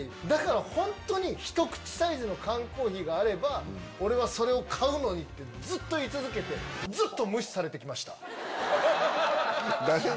だから本当にひと口サイズの缶コーヒーがあれば、俺はそれを買うのにって、ずっと言い続けて、ずっと無視されてきました。